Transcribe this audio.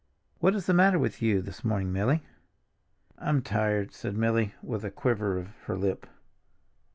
What is the matter with you this morning, Milly?" "I'm tired," said Milly with a quiver of her lip.